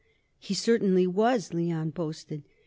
"He certainly was," Leon boasted.